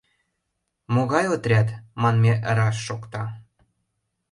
Могай отряд?» — манме раш шокта.